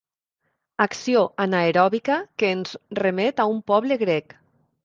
Acció anaeròbica que ens remet a un poble grec.